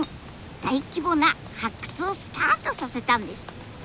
大規模な発掘をスタートさせたんです。